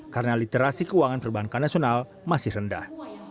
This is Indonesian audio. karena literasi keuangan perbankan nasional masih rendah